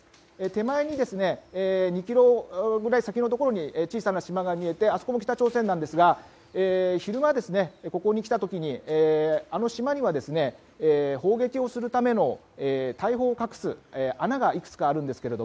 手前に２ｋｍぐらい先のところに小さな島が見えてあそこも北朝鮮なんですが昼間にここに来た時にあの島には砲撃をするための大砲を隠す穴がいくつかあるんですが。